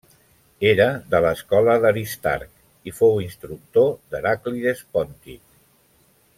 Era de l'escola d'Aristarc i fou instructor d'Heràclides Pòntic.